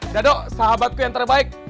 dado sahabatku yang tersayang